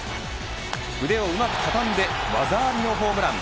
腕をうまくたたんで技ありのホームラン。